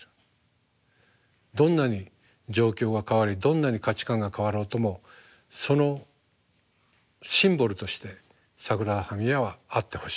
どんなに状況が変わりどんなに価値観が変わろうともそのシンボルとしてサグラダ・ファミリアはあってほしい。